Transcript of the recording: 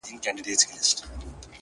ما خو پخوا مـسـته شــاعـــري كول ـ